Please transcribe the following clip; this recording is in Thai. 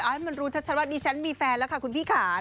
ให้มันรู้ชัดว่าดิฉันมีแฟนแล้วค่ะคุณพี่ค่ะ